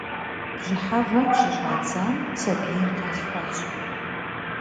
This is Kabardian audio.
Бжьыхьэвэм щыщӏадзам сабийр къалъхуащ.